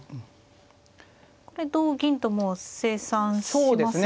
これ同銀ともう清算しますよね。